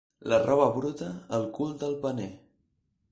La roba bruta, al cul del paner.